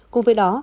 cùng với đó